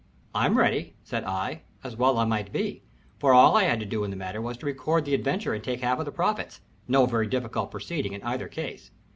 "I'm ready," said I, as well I might be, for all I had to do in the matter was to record the adventure and take my half of the profits no very difficult proceeding in either case.